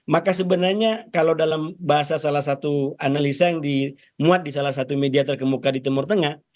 maka sebenarnya kalau dalam bahasa salah satu analisa yang dimuat di salah satu media terkemuka di timur tengah